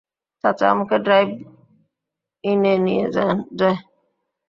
চাচা আমাকে ড্রাইভ-ইনে নিয়ে যায়।